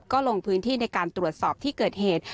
ก็ลงพื้นที่ในการตรวจสอบที่เกิดเหตุ